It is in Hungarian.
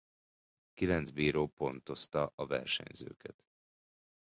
Kilenc bíró pontozta a versenyzőket.